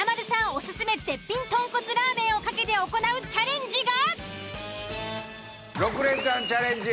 オススメ絶品豚骨ラーメンを懸けて行うチャレンジが。